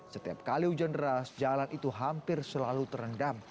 setiap kali hujan deras jalan itu hampir selalu terendam